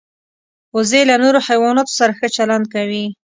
وزې له نورو حیواناتو سره ښه چلند کوي